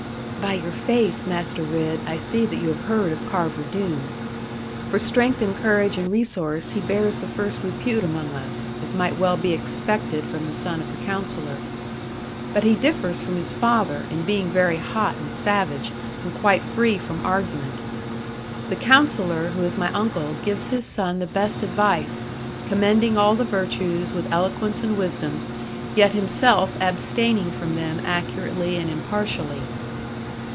'By your face, Master Ridd, I see that you have heard of Carver Doone. For strength and courage and resource he bears the first repute among us, as might well be expected from the son of the Counsellor. But he differs from his father, in being very hot and savage, and quite free from argument. The Counsellor, who is my uncle, gives his son the best advice; commending all the virtues, with eloquence and wisdom; yet himself abstaining from them accurately and impartially.